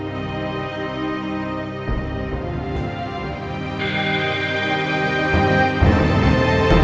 ya pada saatnya mesti dia wives saya